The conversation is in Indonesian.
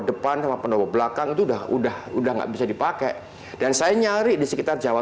depan sama pendowo belakang itu udah udah udah nggak bisa dipakai dan saya nyari di sekitar jawa